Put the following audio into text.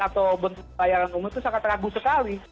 atau bentuk layar renungan itu sangat ragu sekali